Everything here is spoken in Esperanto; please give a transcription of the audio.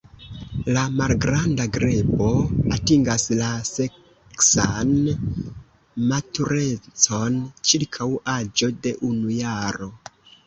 La Malgranda grebo atingas la seksan maturecon ĉirkaŭ aĝo de unu jaro.